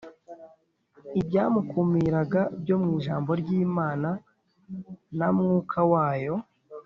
ibyamukumiraga byo mu ijambo ry’imana na mwuka wayo